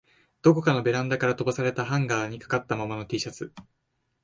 どこかのベランダから吹き飛ばされたハンガーに掛かったままの Ｔ シャツ